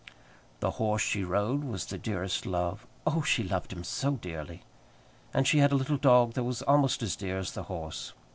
The horse she rode was the dearest love oh! she loved him so dearly! And she had a little dog that was almost as dear as the horse.